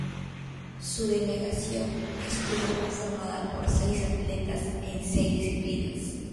Su delegación estuvo conformada por seis atletas en seis disciplinas.